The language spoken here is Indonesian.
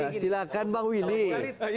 ya silahkan silahkan bang ican